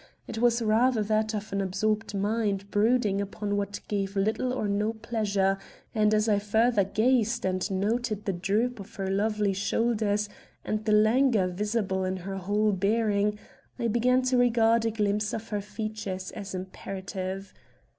It was rather that of an absorbed mind brooding upon what gave little or no pleasure; and as I further gazed and noted the droop of her lovely shoulders and the languor visible in her whole bearing, I began to regard a glimpse of her features as imperative.